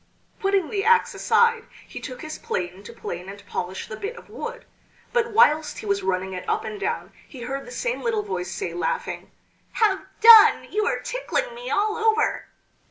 Putting the axe aside he took his plane to plane and polish the bit of wood; but whilst he was running it up and down he heard the same little voice say, laughing: "Have done! you are tickling me all over!"